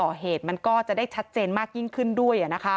การก่อเหตุมันก็จะได้ชัดเจนมากยิ่งขึ้นด้วย